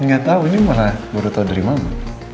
gak tau ini malah baru tau dari mama